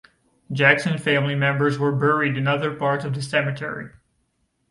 Jackson family members were buried in other parts of the cemetery.